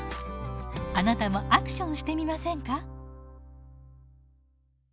あなたもアクションしてみませんか？